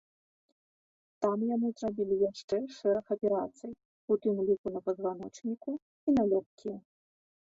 Там яму зрабілі яшчэ шэраг аперацый, у тым ліку на пазваночніку і на лёгкія.